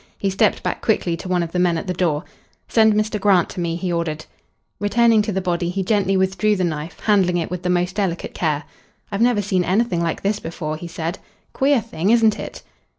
He stepped back quickly to one of the men at the door. "Send Mr. Grant to me," he ordered. Returning to the body, he gently withdrew the knife, handling it with the most delicate care. "I've never seen anything like this before," he said. "Queer thing, isn't it?"